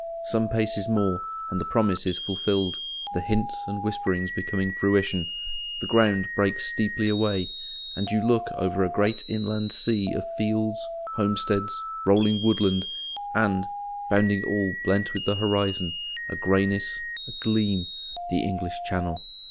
Some paces more, and the promise is fulfilled, the hints and whisperings become fruition: the ground breaks steeply away, and you look over a great inland sea of fields, homesteads, rolling woodland, and—bounding all, blent with the horizon, a greyness, a gleam—the English Channel.